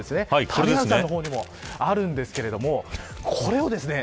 谷原さんの方にもあるんですけれどもこれをですね